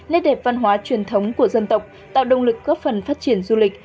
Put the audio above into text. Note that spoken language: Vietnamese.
nét đẹp văn hóa truyền thống của dân tộc tạo động lực góp phần phát triển du lịch